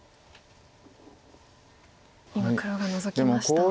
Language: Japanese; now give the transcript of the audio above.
今黒がノゾきました。